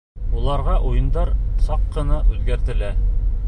Уларға уйындар саҡ ҡына үҙгәртелә.